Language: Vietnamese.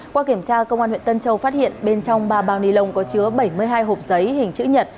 qua kiểm tra công an huyện tân châu phát hiện bên trong ba bao ni lông có chứa bảy mươi hai hộp giấy hình chữ nhật